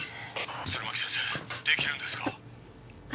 弦巻先生できるんですか？